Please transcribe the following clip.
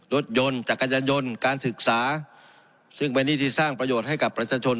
รถยนต์จักรยานยนต์การศึกษาซึ่งเป็นหนี้ที่สร้างประโยชน์ให้กับประชาชน